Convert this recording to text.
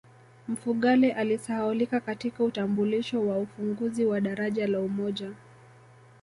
mfugale alisahaulika katika utambulisho wa ufunguzi wa daraja la umoja